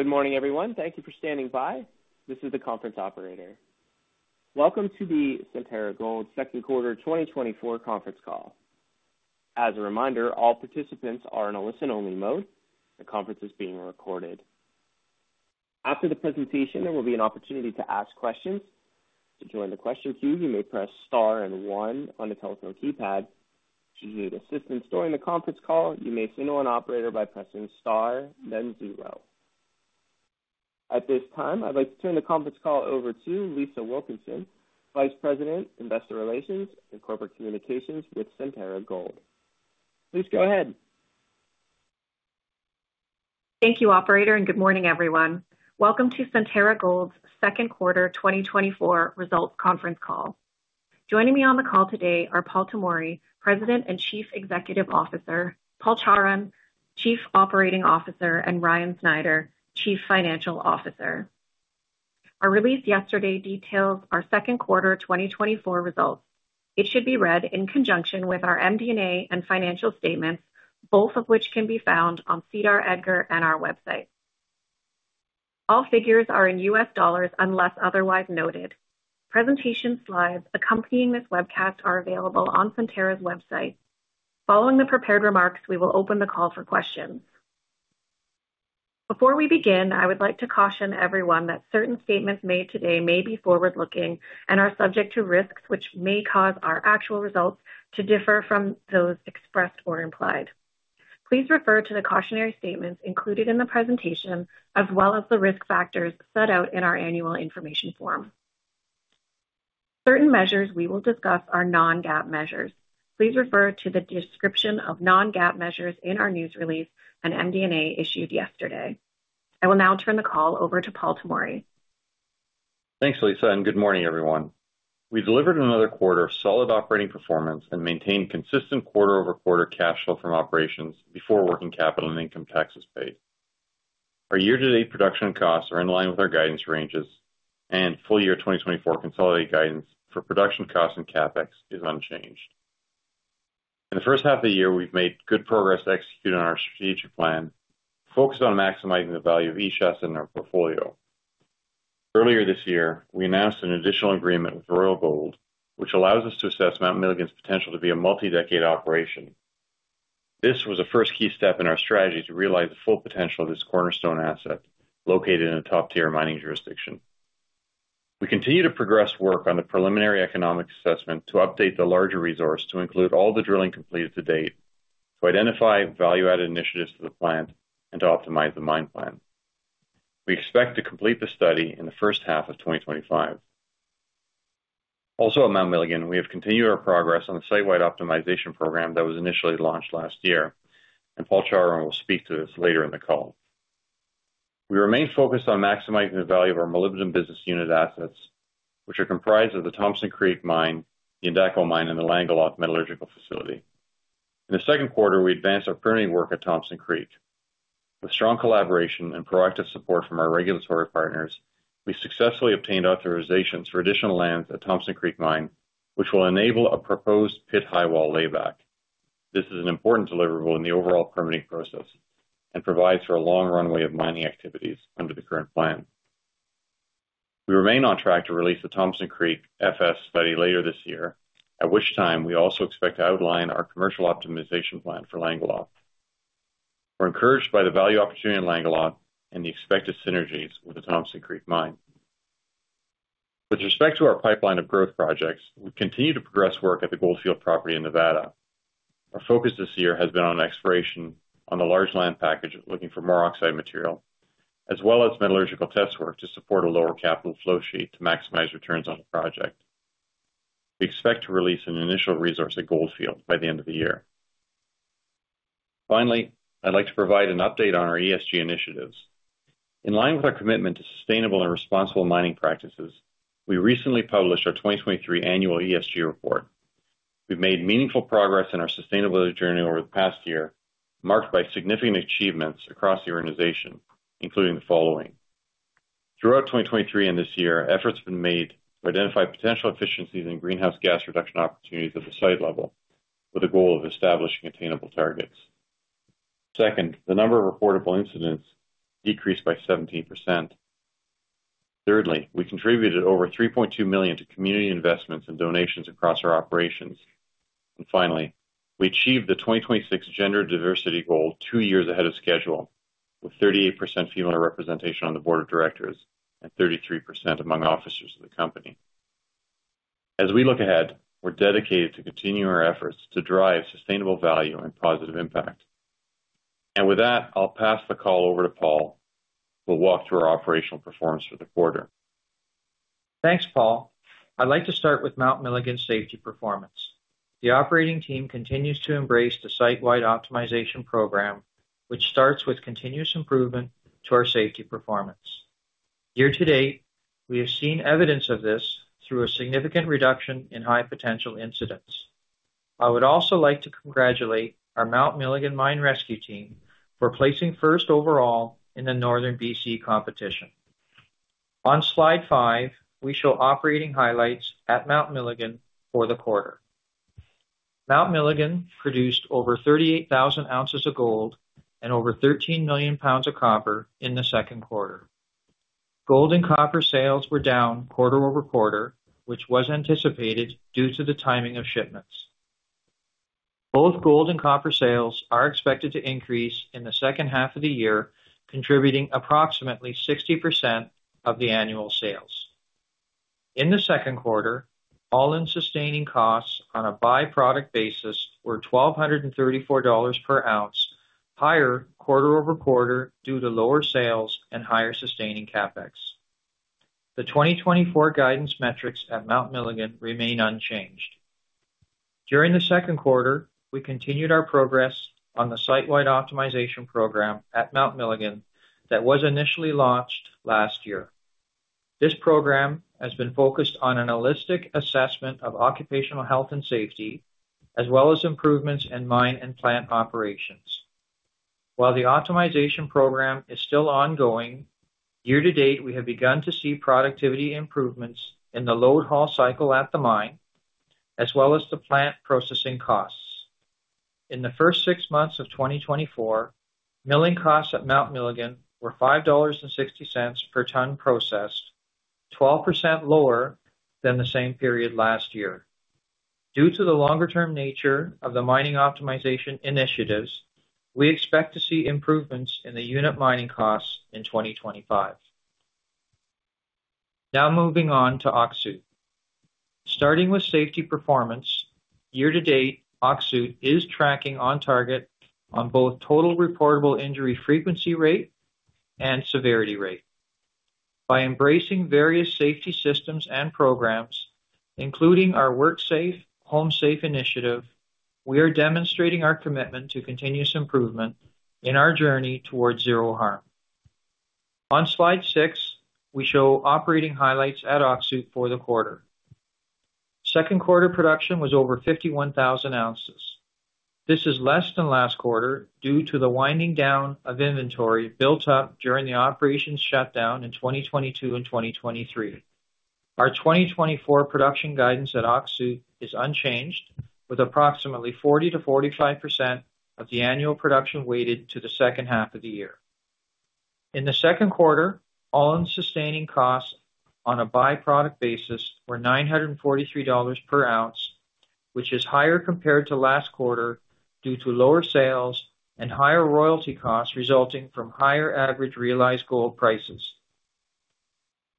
Good morning, everyone. Thank you for standing by. This is the conference operator. Welcome to the Centerra Gold Second Quarter 2024 conference call. As a reminder, all participants are in a listen-only mode. The conference is being recorded. After the presentation, there will be an opportunity to ask questions. To join the question queue, you may press star and one on the telephone keypad. If you need assistance during the conference call, you may signal an operator by pressing star, then zero. At this time, I'd like to turn the conference call over to Lisa Wilkinson, Vice President, Investor Relations and Corporate Communications with Centerra Gold. Please go ahead. Thank you, Operator, and good morning, everyone. Welcome to Centerra Gold's Second Quarter 2024 results conference call. Joining me on the call today are Paul Tomory, President and Chief Executive Officer; Paul Chawrun, Chief Operating Officer; and Ryan Snyder, Chief Financial Officer. Our release yesterday details our Second Quarter 2024 results. It should be read in conjunction with our MD&A and financial statements, both of which can be found on SEDAR and our website. All figures are in U.S. dollars unless otherwise noted. Presentation slides accompanying this webcast are available on Centerra's website. Following the prepared remarks, we will open the call for questions. Before we begin, I would like to caution everyone that certain statements made today may be forward-looking and are subject to risks which may cause our actual results to differ from those expressed or implied. Please refer to the cautionary statements included in the presentation, as well as the risk factors set out in our annual information form. Certain measures we will discuss are non-GAAP measures. Please refer to the description of non-GAAP measures in our news release and MD&A issued yesterday. I will now turn the call over to Paul Tomory. Thanks, Lisa, and good morning, everyone. We delivered another quarter of solid operating performance and maintained consistent quarter-over-quarter cash flow from operations before working capital and income taxes paid. Our year-to-date production costs are in line with our guidance ranges, and full year 2024 consolidated guidance for production costs and CapEx is unchanged. In the first half of the year, we've made good progress executing our strategic plan, focused on maximizing the value of each asset in our portfolio. Earlier this year, we announced an additional agreement with Royal Gold, which allows us to assess Mount Milligan's potential to be a multi-decade operation. This was a first key step in our strategy to realize the full potential of this cornerstone asset located in a top-tier mining jurisdiction. We continue to progress work on the Preliminary Economic Assessment to update the larger resource to include all the drilling completed to date, to identify value-added initiatives to the plant, and to optimize the mine plan. We expect to complete the study in the first half of 2025. Also, at Mount Milligan, we have continued our progress on the site-wide optimization program that was initially launched last year, and Paul Chawrun will speak to this later in the call. We remain focused on maximizing the value of our Molybdenum Business Unit assets, which are comprised of the Thompson Creek Mine, the Endako Mine, and the Langeloth Metallurgical Facility. In the second quarter, we advanced our permitting work at Thompson Creek. With strong collaboration and proactive support from our regulatory partners, we successfully obtained authorizations for additional lands at Thompson Creek Mine, which will enable a proposed pit high wall layback. This is an important deliverable in the overall permitting process and provides for a long runway of mining activities under the current plan. We remain on track to release the Thompson Creek FS study later this year, at which time we also expect to outline our commercial optimization plan for Langeloth. We're encouraged by the value opportunity in Langeloth and the expected synergies with the Thompson Creek Mine. With respect to our pipeline of growth projects, we continue to progress work at the Goldfield property in Nevada. Our focus this year has been on exploration on the large land package looking for more oxide material, as well as metallurgical test work to support a lower capital flow sheet to maximize returns on the project. We expect to release an initial resource at Goldfield by the end of the year. Finally, I'd like to provide an update on our ESG initiatives. In line with our commitment to sustainable and responsible mining practices, we recently published our 2023 annual ESG report. We've made meaningful progress in our sustainability journey over the past year, marked by significant achievements across the organization, including the following. Throughout 2023 and this year, efforts have been made to identify potential efficiencies in greenhouse gas reduction opportunities at the site level with the goal of establishing attainable targets. Second, the number of reportable incidents decreased by 17%. Thirdly, we contributed over $3.2 million to community investments and donations across our operations. And finally, we achieved the 2026 gender diversity goal two years ahead of schedule, with 38% female representation on the board of directors and 33% among officers of the company. As we look ahead, we're dedicated to continuing our efforts to drive sustainable value and positive impact. With that, I'll pass the call over to Paul, who will walk through our operational performance for the quarter. Thanks, Paul. I'd like to start with Mount Milligan's safety performance. The operating team continues to embrace the site-wide optimization program, which starts with continuous improvement to our safety performance. Year to date, we have seen evidence of this through a significant reduction in high potential incidents. I would also like to congratulate our Mount Milligan Mine Rescue team for placing first overall in the Northern BC competition. On slide 5, we show operating highlights at Mount Milligan for the quarter. Mount Milligan produced over 38,000 oz of gold and over 13 million lbs of copper in the second quarter. Gold and copper sales were down quarter-over-quarter, which was anticipated due to the timing of shipments. Both gold and copper sales are expected to increase in the second half of the year, contributing approximately 60% of the annual sales. In the second quarter, All-in sustaining costs on a byproduct basis were $1,234 per oz, higher quarter-over-quarter due to lower sales and higher sustaining CapEx. The 2024 guidance metrics at Mount Milligan remain unchanged. During the second quarter, we continued our progress on the site-wide optimization program at Mount Milligan that was initially launched last year. This program has been focused on a holistic assessment of occupational health and safety, as well as improvements in mine and plant operations. While the optimization program is still ongoing, year to date, we have begun to see productivity improvements in the load haul cycle at the mine, as well as the plant processing costs. In the first six months of 2024, milling costs at Mount Milligan were $5.60 per ton processed, 12% lower than the same period last year. Due to the longer-term nature of the mining optimization initiatives, we expect to see improvements in the unit mining costs in 2025. Now moving on to Öksüt. Starting with safety performance, year to date, Öksüt is tracking on target on both total reportable injury frequency rate and severity rate. By embracing various safety systems and programs, including our Work Safe, Home Safe Initiative, we are demonstrating our commitment to continuous improvement in our journey toward zero harm. On slide six, we show operating highlights at Öksüt for the quarter. Second quarter production was over 51,000 ozs. This is less than last quarter due to the winding down of inventory built up during the operations shutdown in 2022 and 2023. Our 2024 production guidance at Öksüt is unchanged, with approximately 40%-45% of the annual production weighted to the second half of the year. In the second quarter, All-In Sustaining Costs on a byproduct basis were $943 per oz, which is higher compared to last quarter due to lower sales and higher royalty costs resulting from higher average realized gold prices.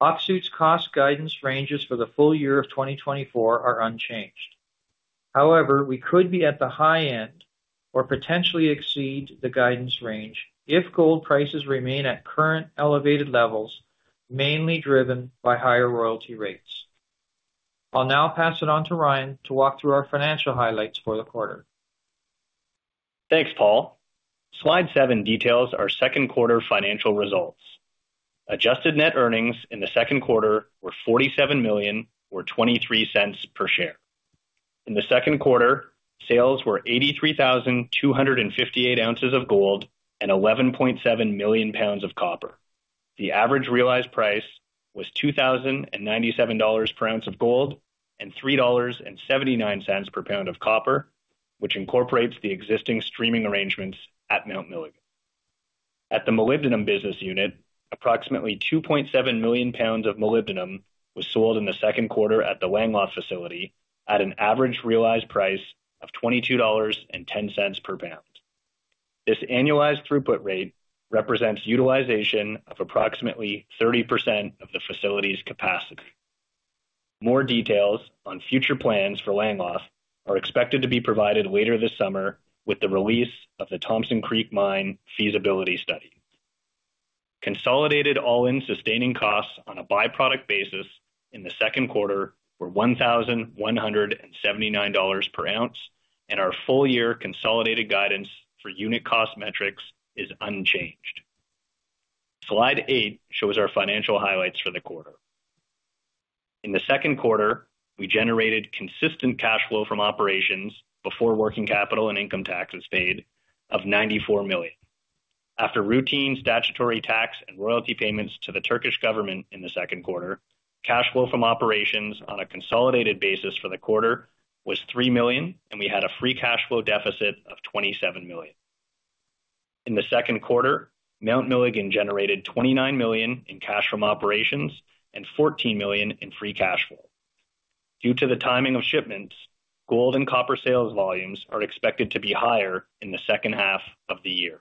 Öksüt's cost guidance ranges for the full year of 2024 are unchanged. However, we could be at the high end or potentially exceed the guidance range if gold prices remain at current elevated levels, mainly driven by higher royalty rates. I'll now pass it on to Ryan to walk through our financial highlights for the quarter. Thanks, Paul. Slide 7 details our second quarter financial results. Adjusted net earnings in the second quarter were $47.23 per share. In the second quarter, sales were 83,258 ozs of gold and 11.7 million lbs of copper. The average realized price was $2,097 per oz of gold and $3.79 per pound of copper, which incorporates the existing streaming arrangements at Mount Milligan. At the Molybdenum Business Unit, approximately 2.7 million lbs of molybdenum was sold in the second quarter at the Langeloth facility at an average realized price of $22.10 per pound. This annualized throughput rate represents utilization of approximately 30% of the facility's capacity. More details on future plans for Langeloth are expected to be provided later this summer with the release of the Thompson Creek Mine Feasibility Study. Consolidated All-in Sustaining Costs on a by-product basis in the second quarter were $1,179 per oz, and our full year consolidated guidance for unit cost metrics is unchanged. Slide 8 shows our financial highlights for the quarter. In the second quarter, we generated consistent cash flow from operations before working capital and income taxes paid of $94 million. After routine statutory tax and royalty payments to the Turkish government in the second quarter, cash flow from operations on a consolidated basis for the quarter was $3 million, and we had a free cash flow deficit of $27 million. In the second quarter, Mount Milligan generated $29 million in cash from operations and $14 million in free cash flow. Due to the timing of shipments, gold and copper sales volumes are expected to be higher in the second half of the year.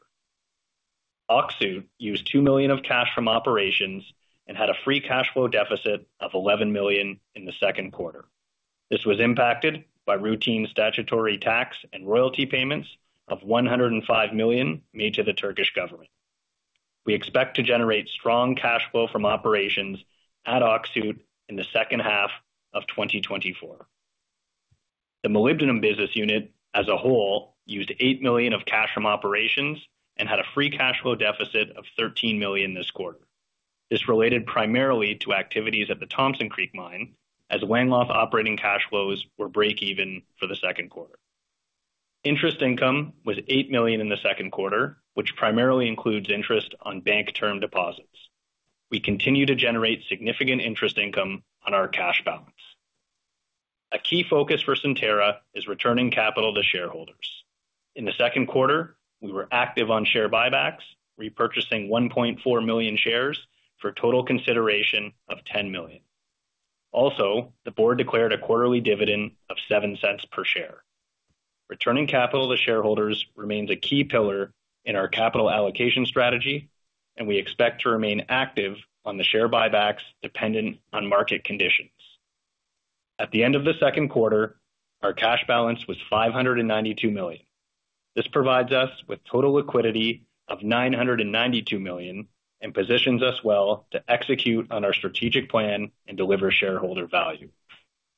Öksüt used $2 million of cash from operations and had a free cash flow deficit of $11 million in the second quarter. This was impacted by routine statutory tax and royalty payments of $105 million made to the Turkish government. We expect to generate strong cash flow from operations at Öksüt in the second half of 2024. The Molybdenum Business Unit as a whole used $8 million of cash from operations and had a free cash flow deficit of $13 million this quarter. This related primarily to activities at the Thompson Creek Mine, as Langeloth operating cash flows were break-even for the second quarter. Interest income was $8 million in the second quarter, which primarily includes interest on bank-term deposits. We continue to generate significant interest income on our cash balance. A key focus for Centerra is returning capital to shareholders. In the second quarter, we were active on share buybacks, repurchasing 1.4 million shares for a total consideration of $10 million. Also, the board declared a quarterly dividend of $0.07 per share. Returning capital to shareholders remains a key pillar in our capital allocation strategy, and we expect to remain active on the share buybacks dependent on market conditions. At the end of the second quarter, our cash balance was $592 million. This provides us with total liquidity of $992 million and positions us well to execute on our strategic plan and deliver shareholder value.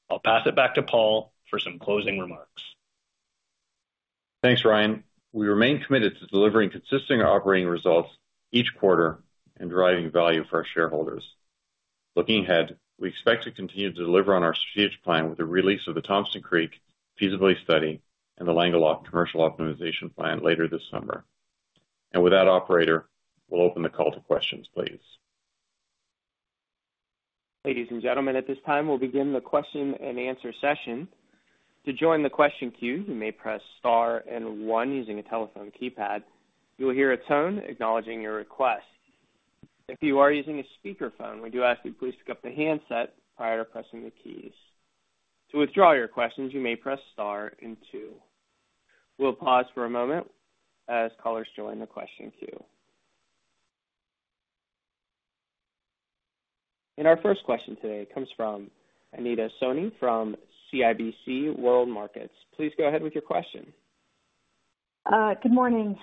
I'll pass it back to Paul for some closing remarks. Thanks, Ryan. We remain committed to delivering consistent operating results each quarter and driving value for our shareholders. Looking ahead, we expect to continue to deliver on our strategic plan with the release of the Thompson Creek Feasibility Study and the Langeloth Commercial Optimization Plan later this summer. With that, operator, we'll open the call to questions, please. Ladies and gentlemen, at this time, we'll begin the question and answer session. To join the question queue, you may press star and one using a telephone keypad. You'll hear a tone acknowledging your request. If you are using a speakerphone, we do ask that you please pick up the handset prior to pressing the keys. To withdraw your questions, you may press star and two. We'll pause for a moment as callers join the question queue. Our first question today comes from Anita Soni from CIBC World Markets. Please go ahead with your question. Good morning,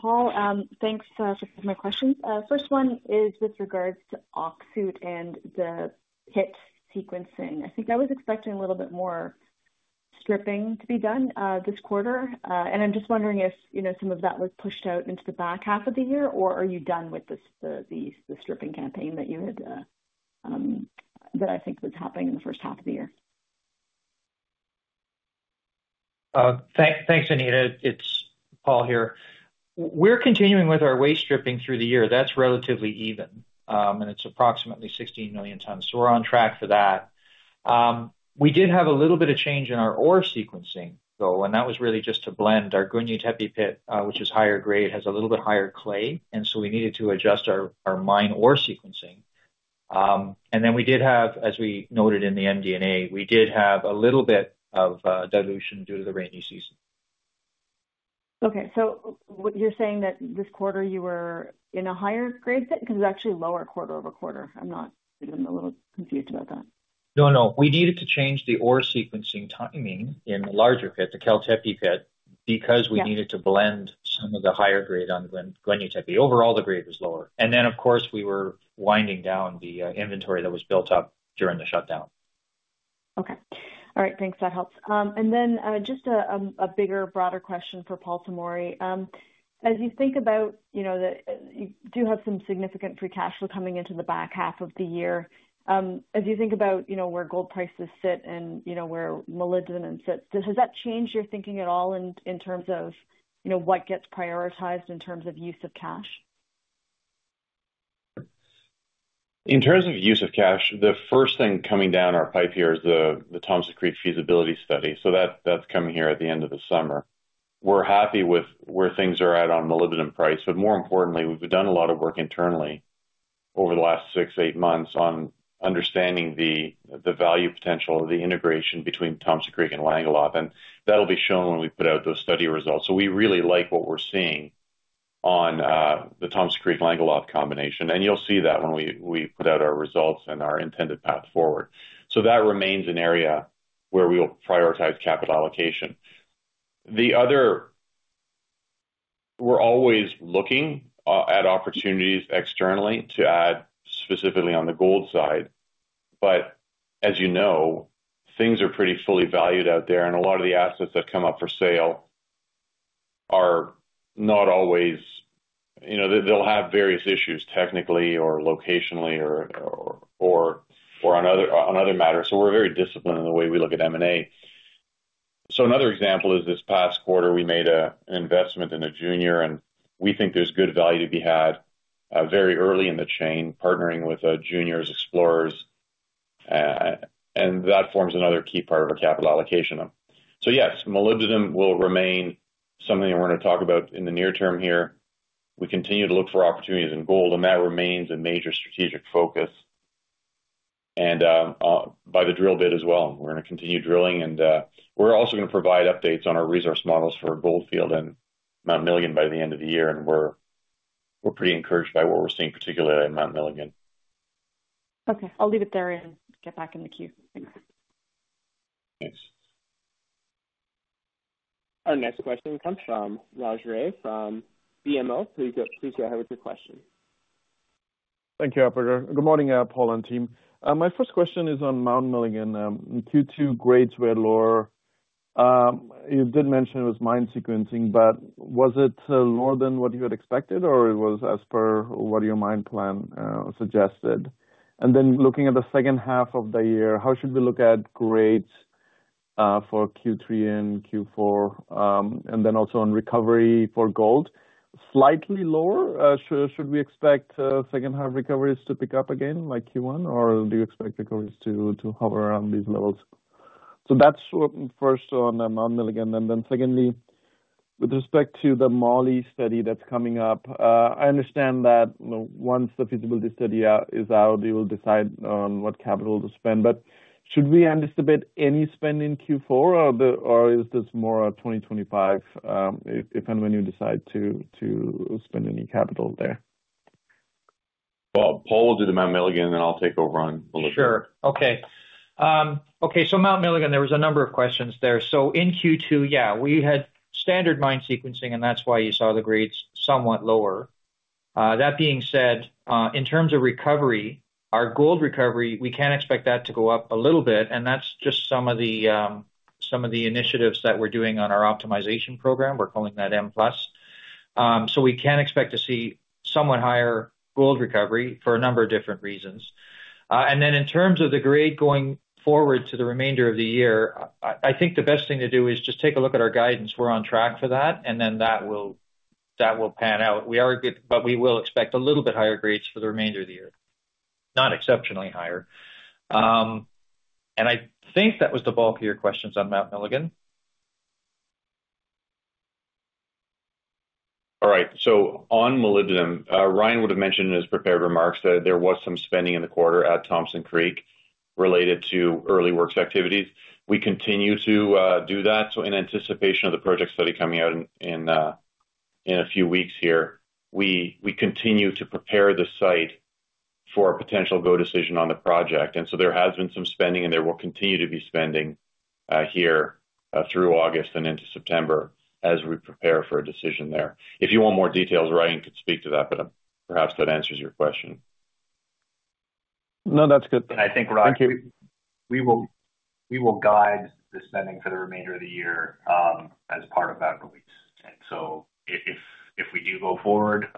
Paul. Thanks for my questions. First one is with regards to Öksüt and the pit sequencing. I think I was expecting a little bit more stripping to be done this quarter. And I'm just wondering if some of that was pushed out into the back half of the year, or are you done with the stripping campaign that I think was happening in the first half of the year? Thanks, Anita. It's Paul here. We're continuing with our waste stripping through the year. That's relatively even, and it's approximately 16 million tons. So we're on track for that. We did have a little bit of change in our ore sequencing, though, and that was really just to blend. Our Güneytepe Pit, which is higher grade, has a little bit higher clay, and so we needed to adjust our mine ore sequencing. And then we did have, as we noted in the MD&A, we did have a little bit of dilution due to the rainy season. Okay. So you're saying that this quarter you were in a higher grade? Because it was actually lower quarter-over-quarter. I'm not a little confused about that. No, no. We needed to change the ore sequencing timing in the larger pit, the Keltepe Pit, because we needed to blend some of the higher grade on Güneytepe. Overall, the grade was lower. And then, of course, we were winding down the inventory that was built up during the shutdown. Okay. All right. Thanks. That helps. Then just a bigger, broader question for Paul Tomory. As you think about, you do have some significant free cash flow coming into the back half of the year. As you think about where gold prices sit and where molybdenum sits, has that changed your thinking at all in terms of what gets prioritized in terms of use of cash? In terms of use of cash, the first thing coming down our pipe here is the Thompson Creek Feasibility Study. So that's coming here at the end of the summer. We're happy with where things are at on molybdenum price, but more importantly, we've done a lot of work internally over the last six-eight months on understanding the value potential of the integration between Thompson Creek and Langeloth. And that'll be shown when we put out those study results. So we really like what we're seeing on the Thompson Creek-Langeloth combination. And you'll see that when we put out our results and our intended path forward. So that remains an area where we will prioritize capital allocation. We're always looking at opportunities externally to add specifically on the gold side. But as you know, things are pretty fully valued out there, and a lot of the assets that come up for sale are not always. They'll have various issues technically or locationally or on other matters. So we're very disciplined in the way we look at M&A. So another example is this past quarter, we made an investment in a junior, and we think there's good value to be had very early in the chain, partnering with juniors' explorers. And that forms another key part of our capital allocation. So yes, molybdenum will remain something we're going to talk about in the near term here. We continue to look for opportunities in gold, and that remains a major strategic focus. And by the drill bit as well. We're going to continue drilling, and we're also going to provide updates on our resource models for Goldfield and Mount Milligan by the end of the year. We're pretty encouraged by what we're seeing, particularly at Mount Milligan. Okay. I'll leave it there and get back in the queue. Thanks. Thanks. Our next question comes from Raj Ray from BMO. Please go ahead with your question. Thank you, Operator. Good morning, Paul and team. My first question is on Mount Milligan. Q2 grades were lower. You did mention it was mine sequencing, but was it lower than what you had expected, or it was as per what your mine plan suggested? And then looking at the second half of the year, how should we look at grades for Q3 and Q4, and then also on recovery for gold? Slightly lower. Should we expect second-half recoveries to pick up again like Q1, or do you expect recoveries to hover around these levels? So that's first on Mount Milligan. And then secondly, with respect to the moly study that's coming up, I understand that once the feasibility study is out, you will decide on what capital to spend. Should we anticipate any spend in Q4, or is this more 2025 if and when you decide to spend any capital there? Paul will do the Mount Milligan, and then I'll take over on Molybdenum. Sure. Okay. Okay. So Mount Milligan, there was a number of questions there. So in Q2, yeah, we had standard mine sequencing, and that's why you saw the grades somewhat lower. That being said, in terms of recovery, our gold recovery, we can expect that to go up a little bit. And that's just some of the initiatives that we're doing on our optimization program. We're calling that M+. So we can expect to see somewhat higher gold recovery for a number of different reasons. And then in terms of the grade going forward to the remainder of the year, I think the best thing to do is just take a look at our guidance. We're on track for that, and then that will pan out. But we will expect a little bit higher grades for the remainder of the year, not exceptionally higher. I think that was the bulk of your questions on Mount Milligan. All right. So on molybdenum, Ryan would have mentioned in his prepared remarks that there was some spending in the quarter at Thompson Creek related to early works activities. We continue to do that. So in anticipation of the project study coming out in a few weeks here, we continue to prepare the site for a potential go decision on the project. And so there has been some spending, and there will continue to be spending here through August and into September as we prepare for a decision there. If you want more details, Ryan could speak to that, but perhaps that answers your question. No, that's good. And I think. Thank you. We will guide the spending for the remainder of the year as part of that release. And so if we do go forward,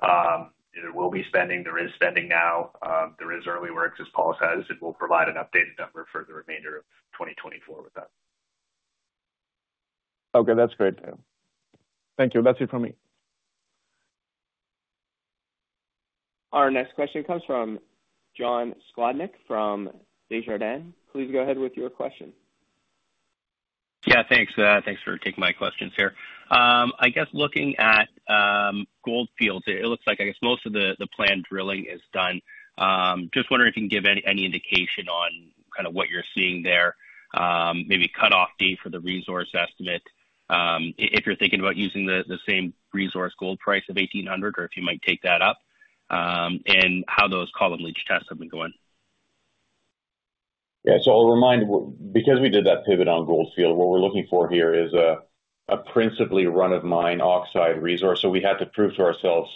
there will be spending. There is spending now. There is early works, as Paul says. It will provide an updated number for the remainder of 2024 with that. Okay. That's great. Thank you. That's it from me. Our next question comes from John Sclodnick from Desjardins. Please go ahead with your question. Yeah. Thanks. Thanks for taking my questions here. I guess looking at Goldfield, it looks like, I guess, most of the planned drilling is done. Just wondering if you can give any indication on kind of what you're seeing there, maybe cutoff date for the resource estimate, if you're thinking about using the same resource gold price of $1,800, or if you might take that up, and how those column leach tests have been going. Yeah. So I'll remind, because we did that pivot on Goldfield, what we're looking for here is a principally run-of-mine oxide resource. So we had to prove to ourselves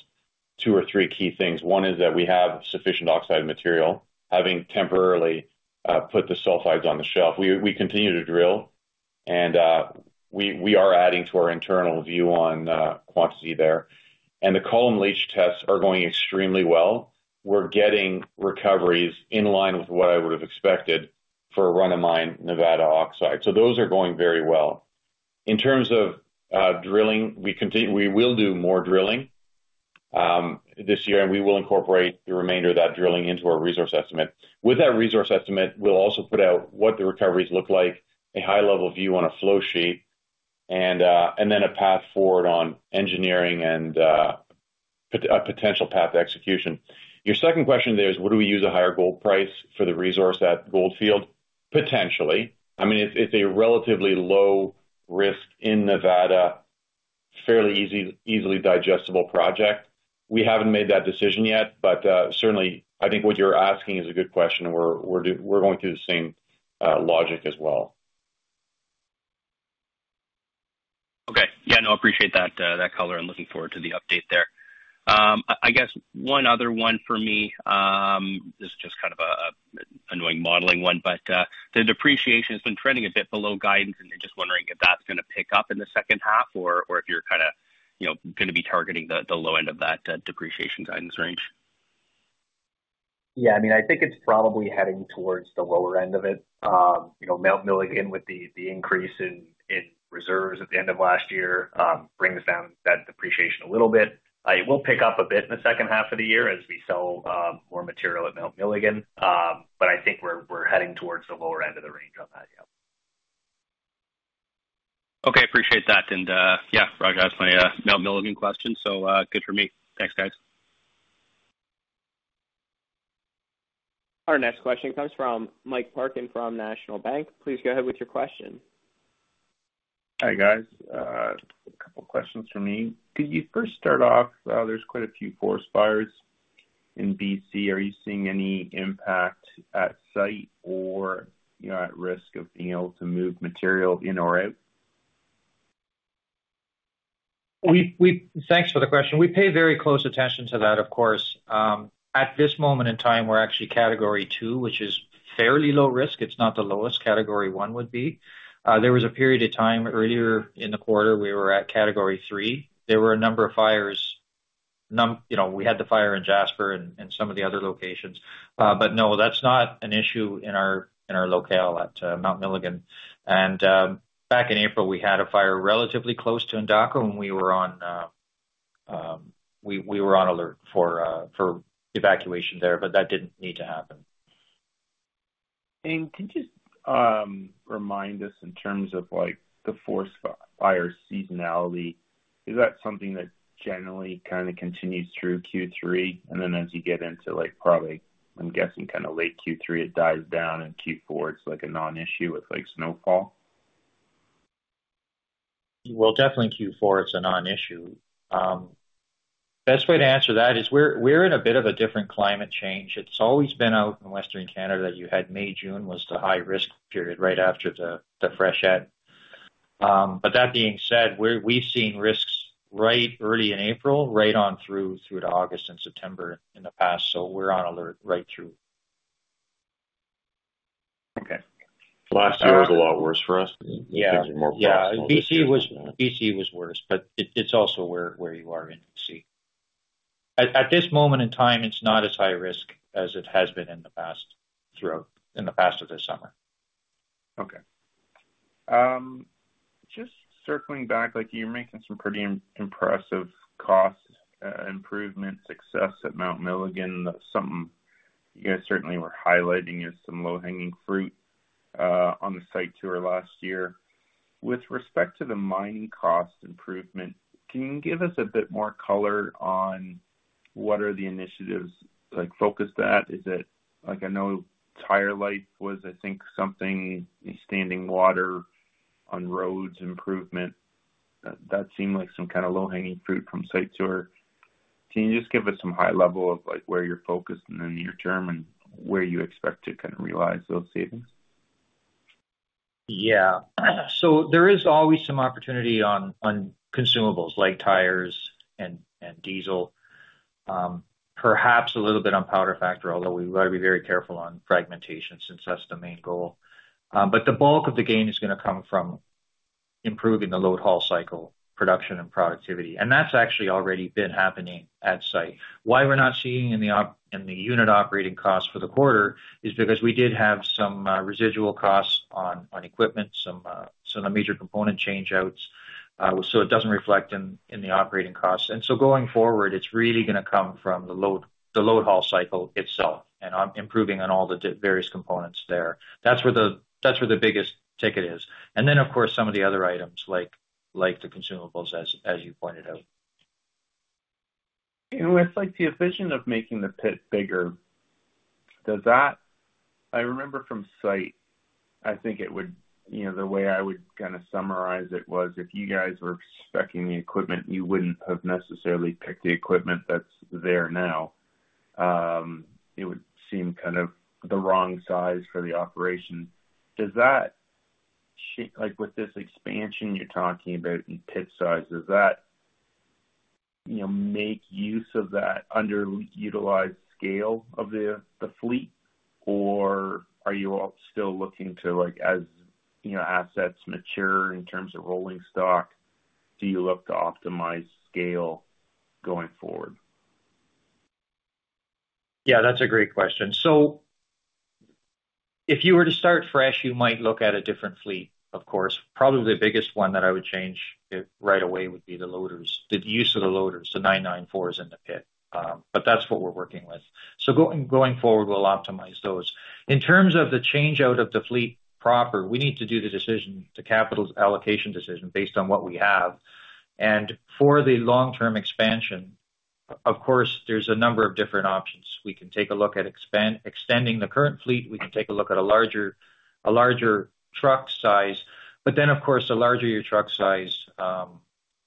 two or three key things. One is that we have sufficient oxide material, having temporarily put the sulfides on the shelf. We continue to drill, and we are adding to our internal view on quantity there. And the column leach tests are going extremely well. We're getting recoveries in line with what I would have expected for a run-of-mine Nevada oxide. So those are going very well. In terms of drilling, we will do more drilling this year, and we will incorporate the remainder of that drilling into our resource estimate. With that resource estimate, we'll also put out what the recoveries look like, a high-level view on a flow sheet, and then a path forward on engineering and a potential path execution. Your second question there is, would we use a higher gold price for the resource at Goldfield? Potentially. I mean, it's a relatively low-risk in Nevada, fairly easily digestible project. We haven't made that decision yet, but certainly, I think what you're asking is a good question, and we're going through the same logic as well. Okay. Yeah. No, I appreciate that color and looking forward to the update there. I guess one other one for me is just kind of an annoying modeling one, but the depreciation has been trending a bit below guidance, and just wondering if that's going to pick up in the second half or if you're kind of going to be targeting the low end of that depreciation guidance range. Yeah. I mean, I think it's probably heading towards the lower end of it. Mount Milligan, with the increase in reserves at the end of last year, brings down that depreciation a little bit. It will pick up a bit in the second half of the year as we sell more material at Mount Milligan, but I think we're heading towards the lower end of the range on that, yeah. Okay. Appreciate that. And yeah, Roger, that's my Mount Milligan question. So good for me. Thanks, guys. Our next question comes from Mike Parkin from National Bank Financial. Please go ahead with your question. Hi, guys. A couple of questions for me. Could you first start off? There's quite a few forest fires in BC. Are you seeing any impact at site or at risk of being able to move material in or out? Thanks for the question. We pay very close attention to that, of course. At this moment in time, we're actually category two, which is fairly low risk. It's not the lowest category one would be. There was a period of time earlier in the quarter we were at category three. There were a number of fires. We had the fire in Jasper and some of the other locations. But no, that's not an issue in our locale at Mount Milligan. And back in April, we had a fire relatively close to Endako, and we were on alert for evacuation there, but that didn't need to happen. Can you just remind us in terms of the forest fire seasonality? Is that something that generally kind of continues through Q3? And then as you get into probably, I'm guessing, kind of late Q3, it dies down, and Q4, it's a non-issue with snowfall? Well, definitely Q4, it's a non-issue. Best way to answer that is we're in a bit of a different climate change. It's always been out in western Canada that you had May, June was the high-risk period right after the fresh end. But that being said, we've seen risks right early in April, right on through to August and September in the past. So we're on alert right through. Okay. Last year was a lot worse for us. Things were M Plus. Yeah. BC was worse, but it's also where you are in BC. At this moment in time, it's not as high risk as it has been in the past throughout the summer. Okay. Just circling back, you're making some pretty impressive cost improvement success at Mount Milligan. Something you guys certainly were highlighting is some low-hanging fruit on the site tour last year. With respect to the mining cost improvement, can you give us a bit more color on what are the initiatives focused at? I know tire life was, I think, something standing water on roads improvement. That seemed like some kind of low-hanging fruit from site tour. Can you just give us some high level of where you're focused in the near term and where you expect to kind of realize those savings? Yeah. So there is always some opportunity on consumables like tires and diesel. Perhaps a little bit on powder factor, although we've got to be very careful on fragmentation since that's the main goal. But the bulk of the gain is going to come from improving the Load Haul Cycle production and productivity. And that's actually already been happening at site. Why we're not seeing in the unit operating cost for the quarter is because we did have some residual costs on equipment, some of the major component changeouts. So it doesn't reflect in the operating costs. And so going forward, it's really going to come from the Load Haul Cycle itself, and improving on all the various components there. That's where the biggest ticket is. And then, of course, some of the other items like the consumables, as you pointed out. It's like the efficiency of making the pit bigger. I remember from site, I think the way I would kind of summarize it was if you guys were speccing the equipment, you wouldn't have necessarily picked the equipment that's there now. It would seem kind of the wrong size for the operation. With this expansion you're talking about and pit size, does that make use of that underutilized scale of the fleet, or are you still looking to, as assets mature in terms of rolling stock, do you look to optimize scale going forward? Yeah, that's a great question. So if you were to start fresh, you might look at a different fleet, of course. Probably the biggest one that I would change right away would be the loaders, the use of the loaders, the 994s in the pit. But that's what we're working with. So going forward, we'll optimize those. In terms of the changeout of the fleet proper, we need to do the decision, the capital allocation decision based on what we have. And for the long-term expansion, of course, there's a number of different options. We can take a look at extending the current fleet. We can take a look at a larger truck size. But then, of course, the larger your truck size,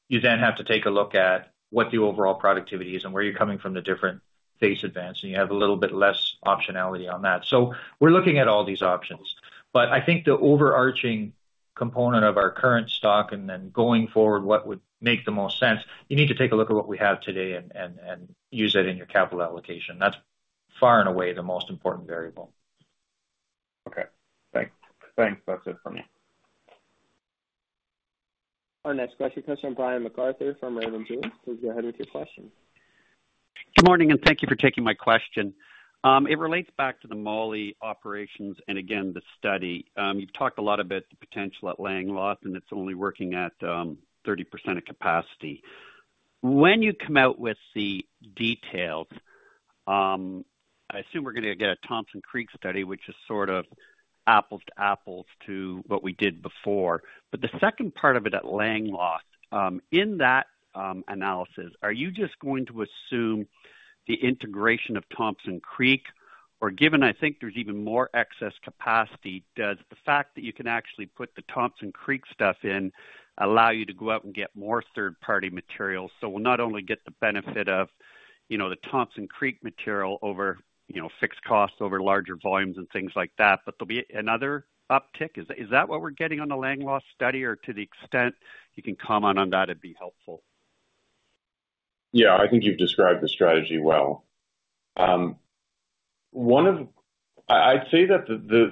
you then have to take a look at what the overall productivity is and where you're coming from the different phase advance, and you have a little bit less optionality on that. So we're looking at all these options. But I think the overarching component of our current stock and then going forward, what would make the most sense, you need to take a look at what we have today and use that in your capital allocation. That's far and away the most important variable. Okay. Thanks. That's it for me. Our next question comes from Brian MacArthur from Raymond James. Please go ahead with your question. Good morning, and thank you for taking my question. It relates back to the Moly operations and, again, the study. You've talked a lot about the potential at Langeloth, and it's only working at 30% of capacity. When you come out with the details, I assume we're going to get a Thompson Creek study, which is sort of apples to apples to what we did before. But the second part of it at Langeloth, in that analysis, are you just going to assume the integration of Thompson Creek? Or given I think there's even more excess capacity, does the fact that you can actually put the Thompson Creek stuff in allow you to go out and get more third-party materials? So we'll not only get the benefit of the Thompson Creek material over fixed costs over larger volumes and things like that, but there'll be another uptick? Is that what we're getting on the Langeloth study, or to the extent you can comment on that, it'd be helpful? Yeah. I think you've described the strategy well. I'd say that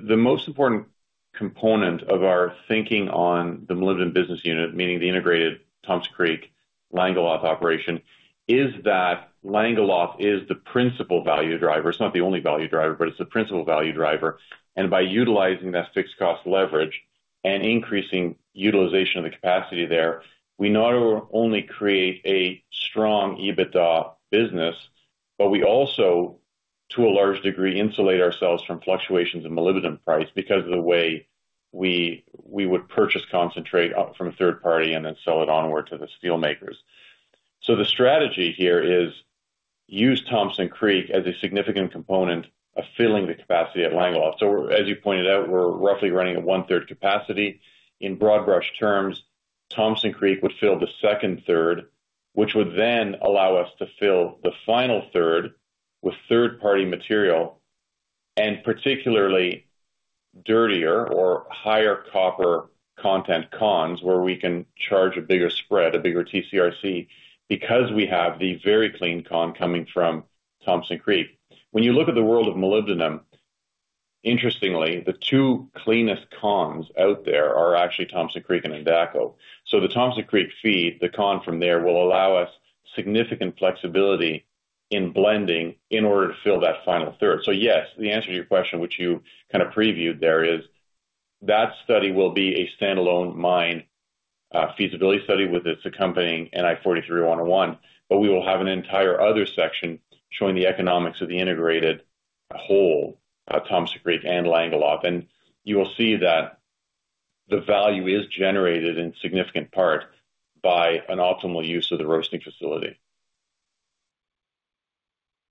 the most important component of our thinking on the Milligan business unit, meaning the integrated Thompson Creek Langeloth operation, is that Langeloth is the principal value driver. It's not the only value driver, but it's the principal value driver. And by utilizing that fixed cost leverage and increasing utilization of the capacity there, we not only create a strong EBITDA business, but we also, to a large degree, insulate ourselves from fluctuations in molybdenum price because of the way we would purchase concentrate from a third party and then sell it onward to the steelmakers. So the strategy here is use Thompson Creek as a significant component of filling the capacity at Langeloth. So as you pointed out, we're roughly running at one-third capacity. In broad brush terms, Thompson Creek would fill the second third, which would then allow us to fill the final third with third-party material and particularly dirtier or higher copper content cons, where we can charge a bigger spread, a bigger TCRC, because we have the very clean con coming from Thompson Creek. When you look at the world of molybdenum, interestingly, the two cleanest cons out there are actually Thompson Creek and Endako. So the Thompson Creek feed, the con from there will allow us significant flexibility in blending in order to fill that final third. So yes, the answer to your question, which you kind of previewed there, is that study will be a standalone mine feasibility study with its accompanying NI 43-101, but we will have an entire other section showing the economics of the integrated whole, Thompson Creek and Langeloth. You will see that the value is generated in significant part by an optimal use of the roasting facility.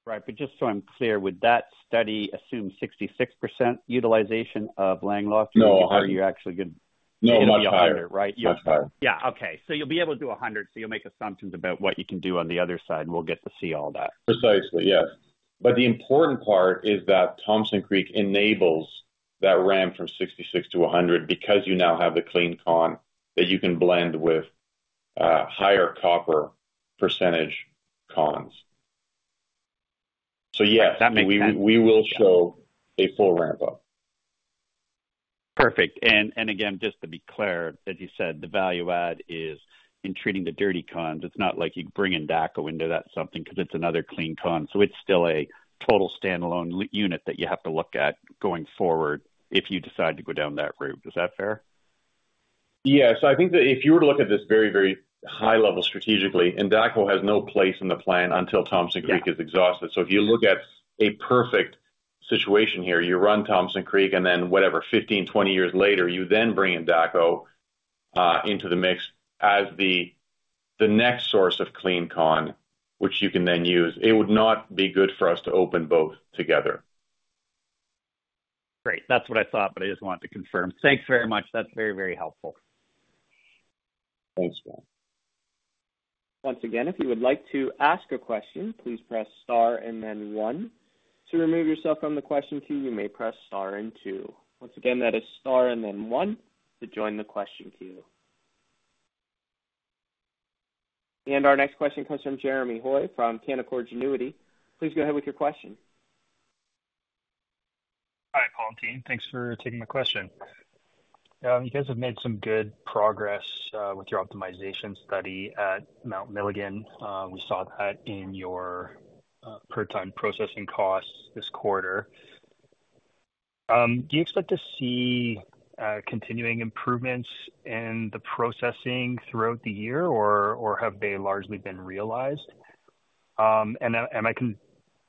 Right. But just so I'm clear, would that study assume 66% utilization of Langeloth? No. Or are you actually going to be much higher? Right? Much higher. Yeah. Okay. So you'll be able to do 100, so you'll make assumptions about what you can do on the other side, and we'll get to see all that. Precisely. Yes. But the important part is that Thompson Creek enables that ramp from 66-100 because you now have the clean con that you can blend with higher copper percentage cons. So yes, we will show a full ramp-up. Perfect. And again, just to be clear, as you said, the value add is in treating the dirty cons. It's not like you bring Endako into that something because it's another clean con. So it's still a total standalone unit that you have to look at going forward if you decide to go down that route. Is that fair? Yeah. So I think that if you were to look at this very, very high level strategically, Endako has no place in the plan until Thompson Creek is exhausted. So if you look at a perfect situation here, you run Thompson Creek, and then whatever, 15, 20 years later, you then bring Endako into the mix as the next source of clean con, which you can then use. It would not be good for us to open both together. Great. That's what I thought, but I just wanted to confirm. Thanks very much. That's very, very helpful. Thanks, John. Once again, if you would like to ask a question, please press star and then one. To remove yourself from the question queue, you may press star and two. Once again, that is star and then one to join the question queue. Our next question comes from Jeremy Hoy from Canaccord Genuity. Please go ahead with your question. Hi, Paul and Team. Thanks for taking my question. You guys have made some good progress with your optimization study at Mount Milligan. We saw that in your per-time processing costs this quarter. Do you expect to see continuing improvements in the processing throughout the year, or have they largely been realized?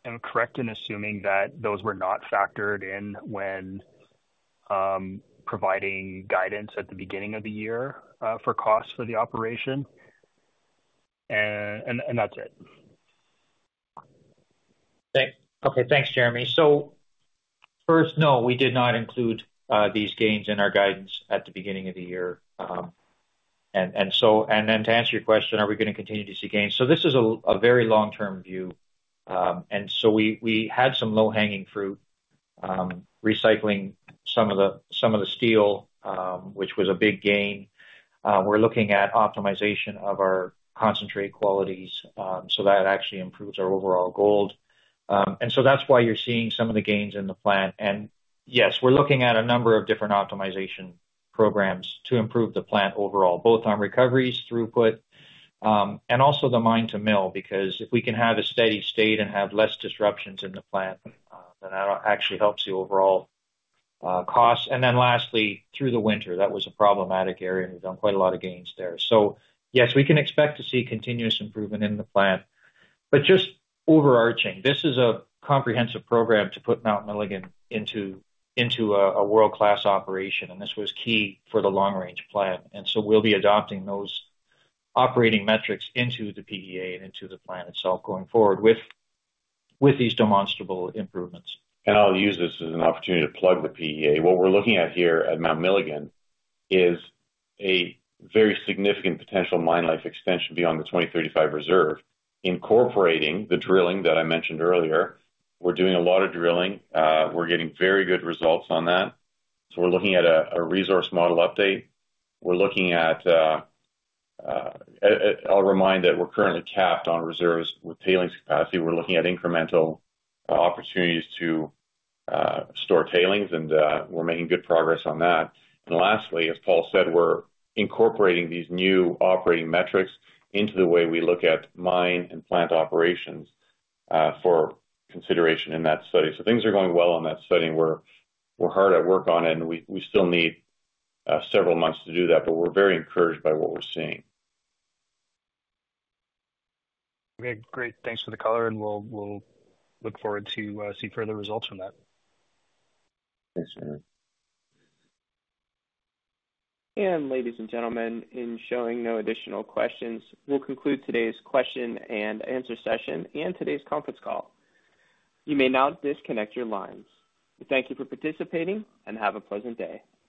And am I correct in assuming that those were not factored in when providing guidance at the beginning of the year for costs for the operation? And that's it. Okay. Thanks, Jeremy. So first, no, we did not include these gains in our guidance at the beginning of the year. And then to answer your question, are we going to continue to see gains? So this is a very long-term view. And so we had some low-hanging fruit recycling some of the steel, which was a big gain. We're looking at optimization of our concentrate qualities so that actually improves our overall gold. And so that's why you're seeing some of the gains in the plant. And yes, we're looking at a number of different optimization programs to improve the plant overall, both on recoveries, throughput, and also the mine to mill, because if we can have a steady state and have less disruptions in the plant, then that actually helps the overall cost. And then lastly, through the winter, that was a problematic area, and we've done quite a lot of gains there. So yes, we can expect to see continuous improvement in the plant. But just overarching, this is a comprehensive program to put Mount Milligan into a world-class operation, and this was key for the long-range plan. And so we'll be adopting those operating metrics into the PEA and into the plan itself going forward with these demonstrable improvements. I'll use this as an opportunity to plug the PEA. What we're looking at here at Mount Milligan is a very significant potential mine life extension beyond the 2035 reserve, incorporating the drilling that I mentioned earlier. We're doing a lot of drilling. We're getting very good results on that. So we're looking at a resource model update. We're looking at. I'll remind that we're currently capped on reserves with tailings capacity. We're looking at incremental opportunities to store tailings, and we're making good progress on that. And lastly, as Paul said, we're incorporating these new operating metrics into the way we look at mine and plant operations for consideration in that study. So things are going well on that study. We're hard at work on it, and we still need several months to do that, but we're very encouraged by what we're seeing. Okay. Great. Thanks for the caller, and we'll look forward to seeing further results from that. Thanks, Jeremy. Ladies and gentlemen, in showing no additional questions, we'll conclude today's question and answer session and today's conference call. You may now disconnect your lines. Thank you for participating, and have a pleasant day.